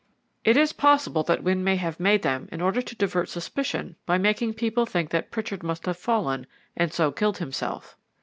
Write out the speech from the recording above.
"It is possible that Wynne may have made them in order to divert suspicion by making people think that Pritchard must have fallen, and so killed himself.